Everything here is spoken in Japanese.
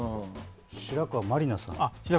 白川まり奈さん。